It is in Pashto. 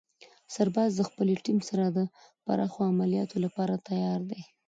سرباز د خپلې ټیم سره د پراخو عملیاتو لپاره تیار دی.